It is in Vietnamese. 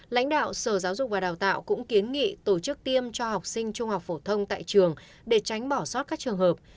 lãnh đạo sở giáo dục và đào tạo cũng kiến nghị tổ chức tiêm cho học sinh trung học phổ thông tại trường để tránh bỏ sót các trường hợp